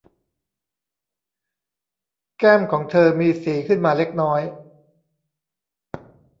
แก้มของเธอ มีสีขึ้นมาเล็กน้อย